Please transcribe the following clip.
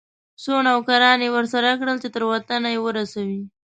څو نوکران یې ورسره کړه چې تر وطنه یې ورسوي.